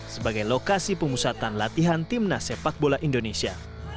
sebagai lokasi pengusatan latihan timnas sepak bola indonesia